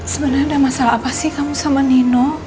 sebenarnya ada masalah apa sih kamu sama nino